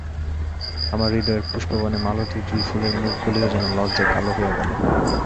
আমার হৃদয়ের পুষ্পবনে মালতী ও জুঁই ফুলের মুখগুলিও যেন লজ্জায় কালো হইয়া গেল।